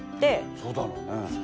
そうだろうね。